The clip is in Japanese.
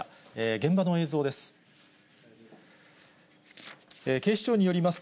現場の映像です。